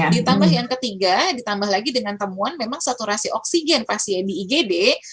ditambah yang ketiga ditambah lagi dengan temuan memang saturasi oksigen pasien di igd